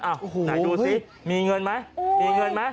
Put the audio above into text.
ไหนดูสิมีเงินไหมมีเงินไหม